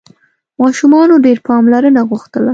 ماشومانو ډېره پاملرنه غوښتله.